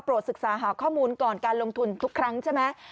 ศึกษาหาข้อมูลก่อนการลงทุนทุกครั้งใช่ไหม